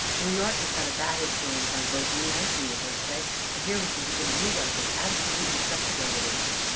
New York has had a bad influence on both you and me, Thursday, and here we can begin a new life of absolute respectability."